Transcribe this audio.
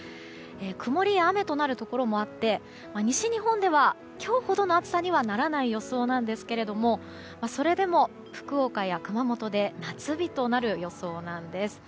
曇りや雨となるところもあって西日本では今日ほどの暑さにはならない予想なんですがそれでも福岡や熊本でも夏日になる予想なんです。